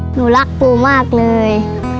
หนูรักปูมากเลย